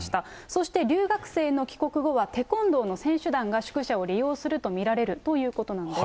そして留学生の帰国後は、テコンドーの選手団が宿舎を利用すると見られるということなんです。